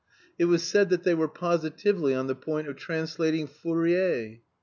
It was said that they were positively on the point of translating Fourier.